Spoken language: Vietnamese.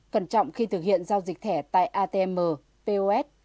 cẩn trọng khi thực hiện giao dịch thẻ tại atm pos